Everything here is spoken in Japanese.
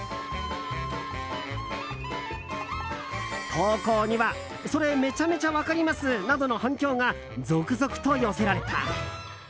投稿にはそれ、めちゃめちゃ分かりますなどの反響が続々と寄せられた。